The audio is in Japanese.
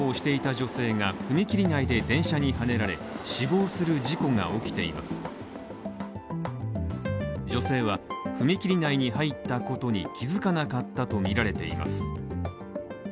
女性は踏切内に入ったことに気付かなかったとみられています。